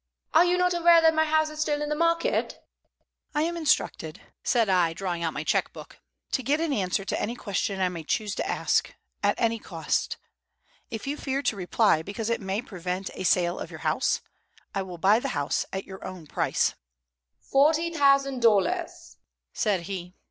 "Are you not aware that my house is still in the market?" "I am instructed," said I, drawing out my check book, "to get an answer to any question I may choose to ask, at any cost. If you fear to reply because it may prevent a sale of your house, I will buy the house at your own price." "Forty thousand dollars," said he.